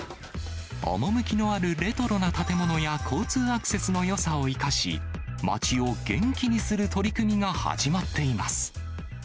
趣のあるレトロな建物や交通アクセスのよさを生かし、街を元気にする取り組みが始まっています。